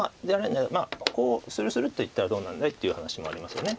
ここをスルスルッといったらどうなんだいっていう話もありますよね。